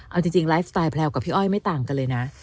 เอาจริงไลฟ์สไตล์แพลวกับพี่อ้อยไม่ต่างกันเลยนะ